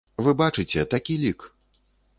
Вы бачыце, такі лік.